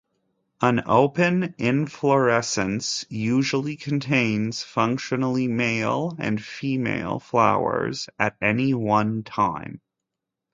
An open inflorescence usually contains functionally male and female flowers at any one time.